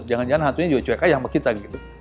jangan jangan hantunya juga cuek kayang sama kita gitu